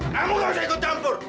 kamu gak usah ikut campur